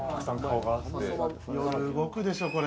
夜、動くでしょう、これ。